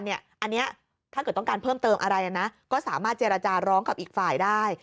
อันนี้ถ้าเกิดต้องการเพิ่มเติมอะไรนะก็สามารถเจรจาร้องกับอีกฝ่ายได้